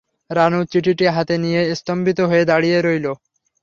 রানু চিঠিটি হাতে নিয়ে স্তম্ভিত হয়ে দাঁড়িয়ে রইল।